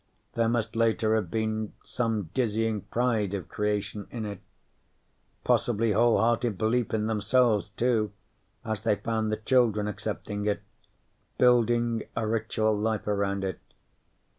There must later have been some dizzying pride of creation in it, possibly wholehearted belief in themselves, too, as they found the children accepting it, building a ritual life around it.